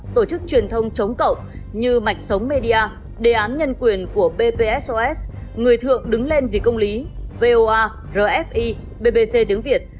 tổ chức truyền thông chống cộng như mạch sống media đề án nhân quyền của bpsos người thượng đứng lên vì công lý voa rfi bbc tiếng việt